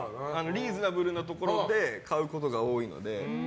リーズナブルなところで買うことが多いので。